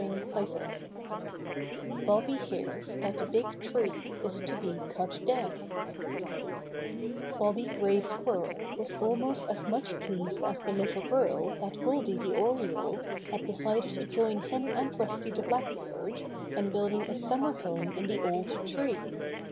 STORY VII Bobby Hears That the Big Tree is To Be Cut Down Bobby Gray Squirrel was almost as much pleased as the little girl that Goldy the Oriole had decided to join him and Rusty the Black bird in building a summer home in the old tree.